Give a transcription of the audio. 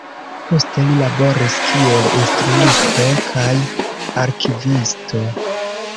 Poste li laboris kiel instruisto kaj arkivisto.